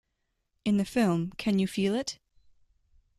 In the film, Can U Feel It?